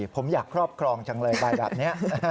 ผมอยากครอบครองจังเลยใบแบบนี้